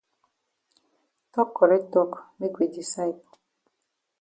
Tok correct tok make we decide.